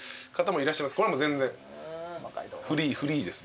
これは全然フリーです。